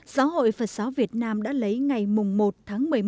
giáo hội phật giáo việt nam đã lấy ngày mùng một